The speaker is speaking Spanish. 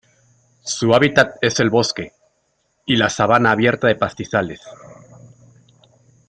Su hábitat es el bosque, y la sabana abierta de pastizales.